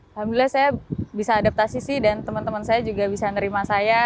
alhamdulillah saya bisa adaptasi sih dan teman teman saya juga bisa nerima saya